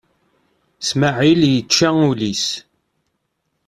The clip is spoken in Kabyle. Smaɛil yečča ul-is.